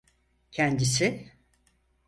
Kendisi…